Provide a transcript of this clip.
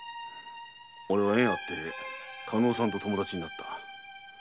俺は縁あって加納さんと友達になった。